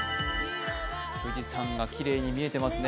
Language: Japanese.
富士山がきれいに見えてますね。